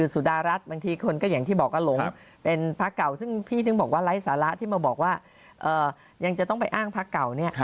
ซึ่งพี่นึงบอกว่าไร้สาระที่มาบอกว่ายังจะต้องไปอ้างภาคเก่าเนี่ย